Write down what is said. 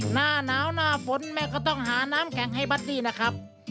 หน้าหนาวหน้าฝนแม่ก็ต้องหาน้ำแข็งให้บัดดี้นะครับ